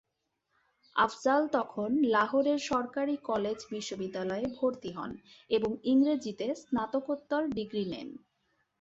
আফজাল তখন লাহোরের সরকারি কলেজ বিশ্ববিদ্যালয়ে ভর্তি হন এবং ইংরেজিতে স্নাতকোত্তর ডিগ্রি নেন।